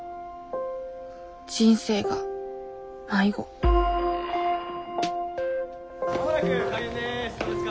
人生が迷子間もなく開演です。